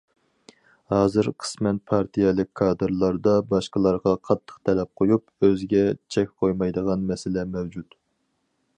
ھازىر قىسمەن پارتىيەلىك كادىرلاردا باشقىلارغا قاتتىق تەلەپ قويۇپ، ئۆزىگە چەك قويمايدىغان مەسىلە مەۋجۇت.